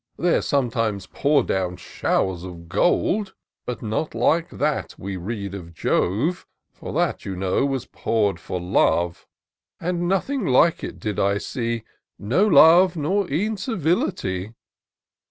There sometimes pour down showers of gold ; But not like that we read of Jove, For that, you know, was pour'd for love 5 And nothing like it did I see ; No love, nor e'en civility: IN SEARCH OF THE PICTURESQUE.